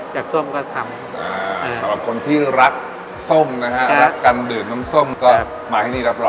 จากส้มก็ทำ